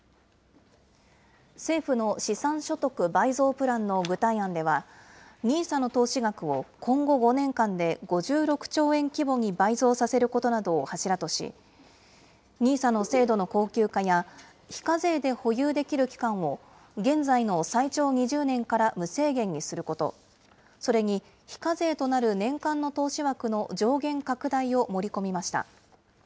政府の資産所得倍増プランの具体案では、ＮＩＳＡの投資額を今後５年間で５６兆円規模に倍増させることなどを柱とし、ＮＩＳＡの制度の恒久化や、非課税で保有できる期間を現在の最長２０年から無制限にすること、それに、非課税となる年間の投資枠の上限拡大を盛り込みました。